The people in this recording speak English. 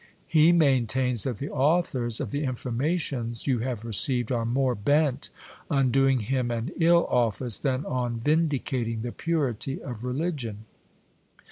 He maintains that the authors of the informa tions you have received are more bent on doing him an ill office than on vindi cating the purity of religion.